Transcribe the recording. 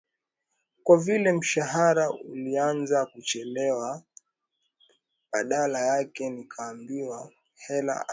kwa vile mshahara ulianza kuchelewa badala yake nikaambiwa hela alipewa wakala wanguKitendo hicho